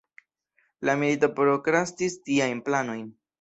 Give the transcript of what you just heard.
La milito prokrastis tiajn planojn.